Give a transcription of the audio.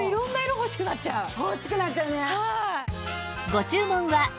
欲しくなっちゃうね。